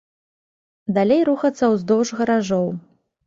Далей рухацца ўздоўж гаражоў.